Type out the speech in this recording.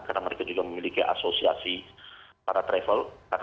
karena mereka juga memiliki anggaran dan juga memiliki anggaran dan juga memiliki anggaran